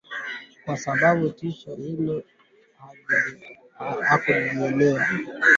kwa sababu tishio hilo halijatokomezwa